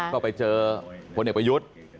ก็ไปเจอพลเอกประยุทธ์